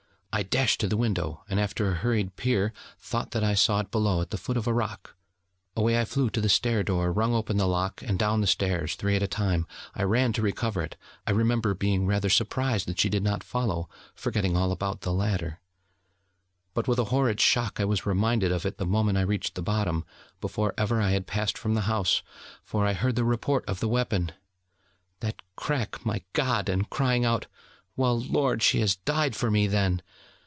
I dashed to the window, and after a hurried peer thought that I saw it below at the foot of a rock; away I flew to the stair door, wrung open the lock, and down the stairs, three at a time, I ran to recover it. I remember being rather surprised that she did not follow, forgetting all about the ladder. But with a horrid shock I was reminded of it the moment I reached the bottom, before ever I had passed from the house: for I heard the report of the weapon that crack, my God! and crying out: 'Well, Lord, she has died for me, then!'